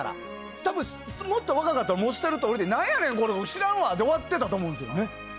多分、もっと若かったら俺、何やこれ知らんわで終わってたと思うんですよね。